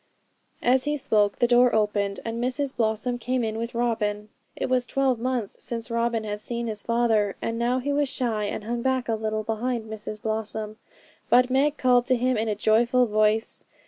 As he spoke the door opened, and Mrs Blossom came in with Robin. It was twelve months since Robin had seen his father, and now he was shy, and hung back a little behind Mrs Blossom; but Meg called to him in a joyful voice.